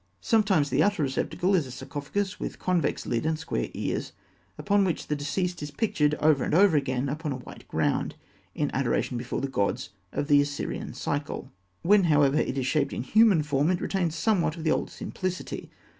Sometimes the outer receptacle is a sarcophagus with convex lid and square ears, upon which the deceased is pictured over and over again upon a white ground, in adoration before the gods of the Osirian cycle. When, however, it is shaped in human form, it retains somewhat of the old simplicity.